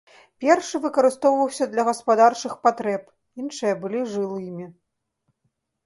Першы выкарыстоўваўся для гаспадарчых патрэб, іншыя былі жылымі.